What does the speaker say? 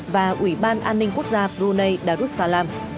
và ubnd quốc gia brunei darussalam